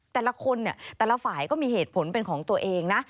แต่ละคนเนี่ยแต่ละฝ่ายก็มีเหตุผลเป็นของตัวเองนะ